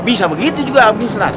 bisa begitu juga bisa